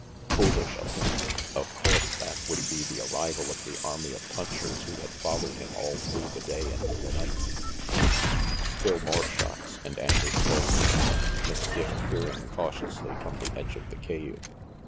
Foolish of him! Of course that would be the arrival of the army of punchers who had followed him all through the day and the night. 382 RANGY PETE Still more shots, and angered voices. Miss Dick peering cautiously from the edge of the cave.